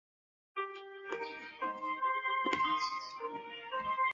反贪污委员会目前的主席是拿督斯里苏克里。